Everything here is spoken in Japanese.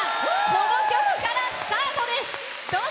この曲からスタートです！